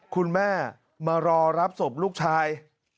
คุณแม่มารอรับศพลูกชาย